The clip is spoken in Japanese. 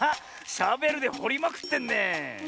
シャベルでほりまくってんねえ。